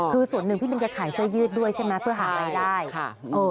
คือส่วนหนึ่งพี่บินจะขายเสื้อยืดด้วยใช่ไหมเพื่อหารายได้